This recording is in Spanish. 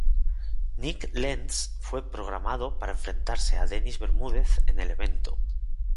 Nik Lentz fue programado para enfrentarse a Dennis Bermúdez en el evento.